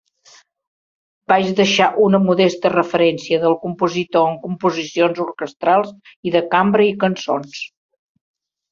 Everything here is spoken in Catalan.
Va deixar una modesta referència del compositor en composicions orquestrals i de cambra i cançons.